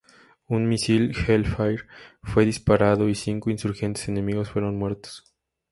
Un misil Hellfire fue disparado y cinco insurgentes enemigos fueron muertos.